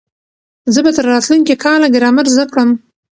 زه به تر راتلونکي کاله ګرامر زده کړم.